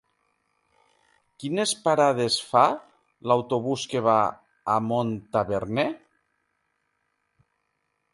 Quines parades fa l'autobús que va a Montaverner?